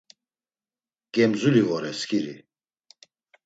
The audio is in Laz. Gemzuli vore skiri.